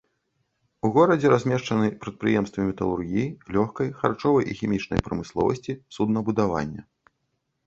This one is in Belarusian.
У горадзе размешчаны прадпрыемствы металургіі, лёгкай, харчовай і хімічнай прамысловасці, суднабудавання.